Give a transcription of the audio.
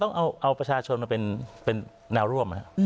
ต้องเอาประชาชนมาเป็นแนวร่วม